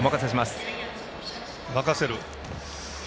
「任せる」？